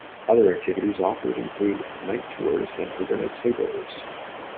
Other activities offered include night tours and overnight sleepovers.